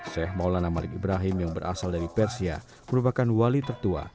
sheikh maulana malik ibrahim yang berasal dari persia merupakan wali tertua